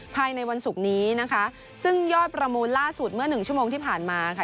ภายในวันศุกร์นี้นะคะซึ่งยอดประมูลล่าสุดเมื่อหนึ่งชั่วโมงที่ผ่านมาค่ะ